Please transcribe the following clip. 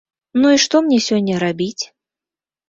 Ну, і што мне сёння рабіць?